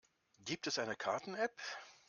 Gibt es eine Karten-App?